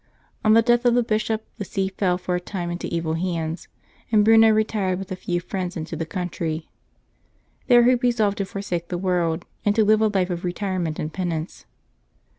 On the death of the bishop the see fell for a time into evil hands, and Bruno retired with a few friends into the country. There he resolved to forsake the world, and to live a life of retire ment and penance.